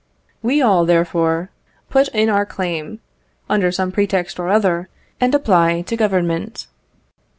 We all, therefore, put in our claim, under some pretext or other, and apply to Government.